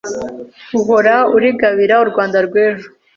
Uhora urigabira u Rwanda rw’ejo